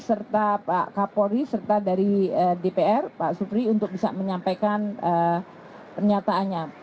serta pak kapolri serta dari dpr pak supri untuk bisa menyampaikan pernyataannya